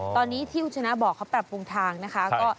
ตอนนี้ที่คุณชนะบอกเขาปรับปรุงทางนะคะ